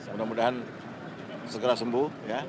mudah mudahan segera sembuh